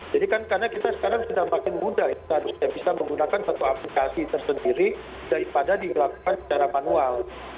jadi kan karena kita sekarang sudah makin mudah kita harus bisa menggunakan satu aplikasi tersendiri daripada dilakukan secara manual